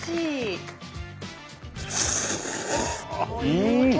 うん！